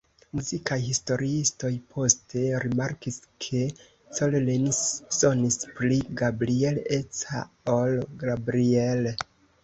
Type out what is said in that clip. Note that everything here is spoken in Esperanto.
Muzikaj historiistoj poste rimarkis ke Collins sonis "pli Gabriel-eca ol Gabriel".